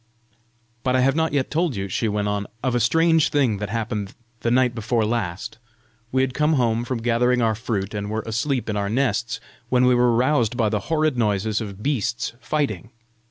" But I have not yet told you," she went on, "of a strange thing that happened the night before last! We had come home from gathering our fruit, and were asleep in our nests, when we were roused by the horrid noises of beasts fighting.